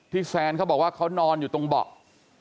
แซนเขาบอกว่าเขานอนอยู่ตรงเบาะ